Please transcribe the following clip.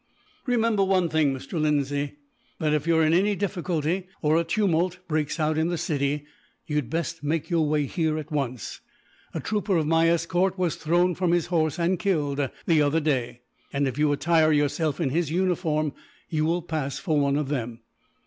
"Remember one thing, Mr. Lindsay: that if you are in any difficulty, or if a tumult breaks out in the city, you had best make your way here, at once. A trooper of my escort was thrown from his horse, and killed, the other day; and if you attire yourself in his uniform, you will pass for one of them.